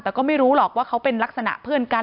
แต่ก็ไม่รู้หรอกว่าเขาเป็นลักษณะเพื่อนกัน